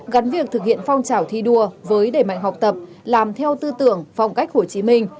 gắn việc thực hiện phong trào thi đua với đẩy mạnh học tập làm theo tư tưởng phong cách hồ chí minh